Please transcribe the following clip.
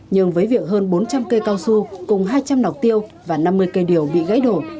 nhưng với việc hơn bốn trăm linh cây cao su cùng hai trăm linh nọc tiêu và năm mươi cây điều bị gãy đổ